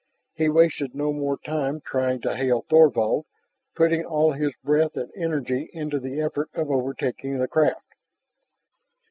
He wasted no more time trying to hail Thorvald, putting all his breath and energy into the effort of overtaking the craft.